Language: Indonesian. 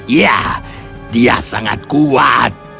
ya dia sangat kuat